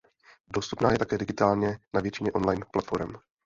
Dostupná je také digitálně na většině online platforem.